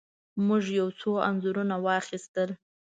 موږ یو څو انځورونه واخیستل.